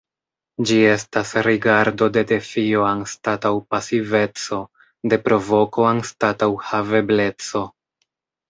Ĝi estas rigardo de defio anstataŭ pasiveco, de provoko anstataŭ havebleco.